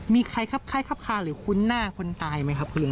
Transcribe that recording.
มีใครคับคาหรือคุ้นหน้าคนตายไหมครับคุณ